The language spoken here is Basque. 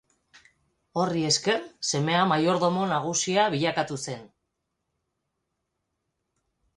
Horri esker, semea maiordomo nagusia bilakatu zen.